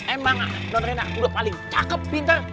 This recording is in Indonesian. emang nonrena udah paling cakep pinter